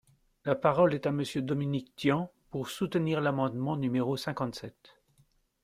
La parole est à Monsieur Dominique Tian, pour soutenir l’amendement numéro cinquante-sept.